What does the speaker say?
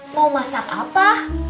mau masak apa